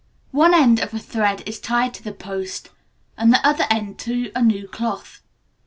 One end of a thread is tied to the post, and the other end to a new cloth.